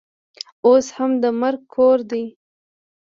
اوس هم د مرګ کور دی.